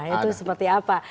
itu seperti apa